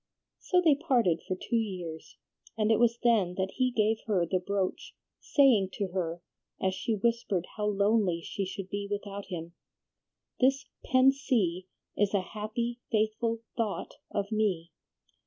So they parted for two years, and it was then that he gave her the brooch, saying to her, as she whispered how lonely she should be without him, 'This PENSEE is a happy, faithful THOUGHT of me.